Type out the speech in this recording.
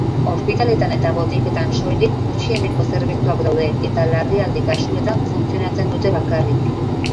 Ospitaletan eta botiketan soilik gutxieneko zerbitzuak daude eta larrialdi kasuetan funtzionatzen dute bakarrik.